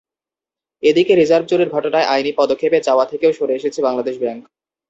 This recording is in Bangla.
এদিকে রিজার্ভ চুরির ঘটনায় আইনি পদক্ষেপে যাওয়া থেকেও সরে এসেছে বাংলাদেশ ব্যাংক।